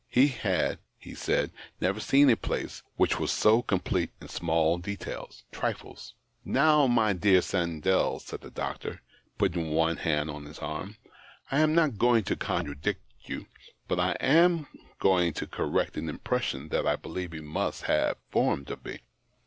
He hdd, he said, never seen a place which was so com plete in small details — trifles. 52 THE OCTAVE OF CLAUDIUS. " Now, my dear Sandell," said the doctor, putting ODe hand on his arm, " I am not going to contradict you, but I am going to correct an impression that I believe you must have formed of me.